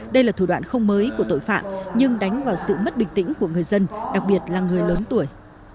đây là thủ đoạn không mới của tội phạm nhưng đánh vào sự mất bình tĩnh của người dân đặc biệt là người lớn tuổi